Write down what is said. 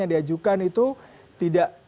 yang diajukan itu tidak